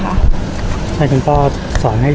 ภาษาสนิทยาลัยสุดท้าย